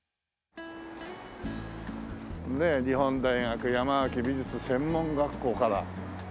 ねえ「日本大学」「山脇美術専門学校」から。